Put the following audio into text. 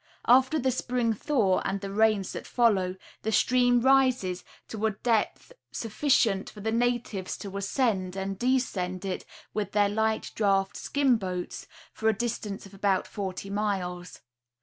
After the spring thaw, and the rains that follow, the stream rises to a depth sufficient for the natives to ascend and descend it with their light draught skin boats for a distance of about forty miles.